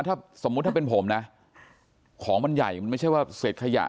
ถ้าสมมุติถ้าเป็นผมนะของมันใหญ่มันไม่ใช่ว่าเศษขยะ